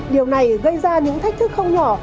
điều này gây ra những thách thức không nhỏ